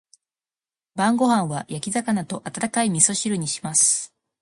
晩ご飯は焼き魚と温かい味噌汁にします。